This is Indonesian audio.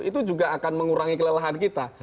itu juga akan mengurangi kelelahan kita